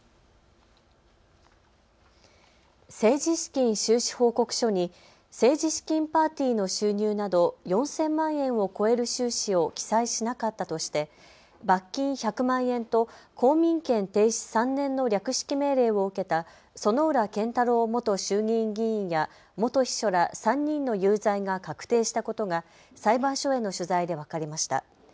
政治資金収支報告書に政治資金パーティーの収入など４０００万円を超える収支を記載しなかったとして罰金１００万円と公民権停止３年の略式命令を受けた薗浦健太郎元衆議院議員や元秘書ら３人の有罪が確定したことが裁判所への取材で分かりました。